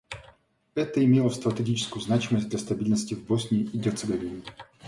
Это имело стратегическую значимость для стабильности в Боснии и Герцеговине.